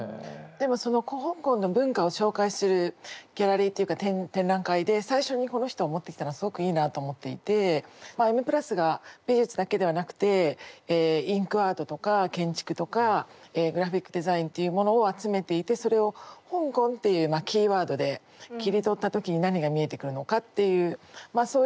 でもその香港の文化を紹介するギャラリーっていうか展覧会で最初にこの人を持ってきたのはすごくいいなあと思っていてまあ「Ｍ＋」が美術だけではなくてインクアートとか建築とかグラフィックデザインっていうものを集めていてそれを「香港」っていうキーワードで切り取った時に何が見えてくるのかっていうまあ